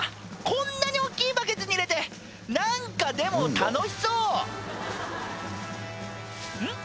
こんなに大きいバケツに入れて何かでも楽しそううん？